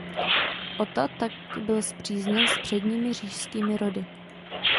Ota tak byl spřízněn s předními říšskými rody.